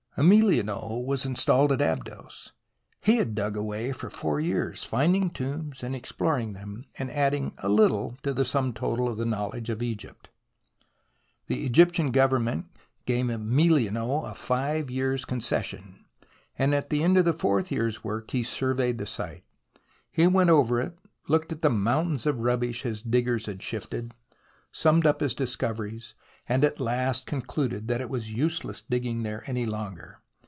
Amelineau was installed at Abydos. He had dug away for four years, finding tombs and exploring them, and adding a little to the sum total of the knowledge of Egypt. The Egyptian Government gave Amelineau a five years' concession, and at the end of the fourth year's work he surveyed the site. He went over it, looked at the mountains of rubbish his diggers had shifted, summed up his discoveries, and at last concluded that it was useless digging there any longer.